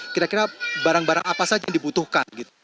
kira kira barang barang apa saja yang dibutuhkan